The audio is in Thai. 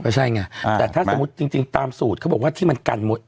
ใช่ไงแต่ถ้าสมมุติจริงตามสูตรเขาบอกว่าที่มันกันหมด